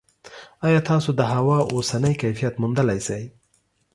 ایا تاسو د هوا اوسنی کیفیت موندلی شئ؟